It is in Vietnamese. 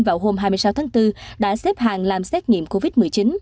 vào hôm hai mươi sáu tháng bốn đã xếp hàng làm xét nghiệm covid một mươi chín